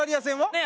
ねえ